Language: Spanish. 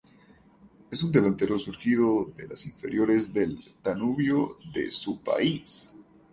Es un Delantero surgido, de las inferiores del Danubio de su país.